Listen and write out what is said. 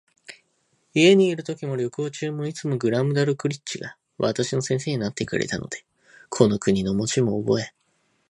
家にいるときも、旅行中も、いつもグラムダルクリッチが私の先生になってくれたので、この国の文字もおぼえ、